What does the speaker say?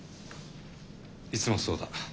いつもそうだ。